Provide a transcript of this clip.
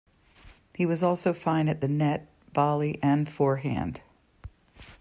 He was also fine at the net, volley and forehand.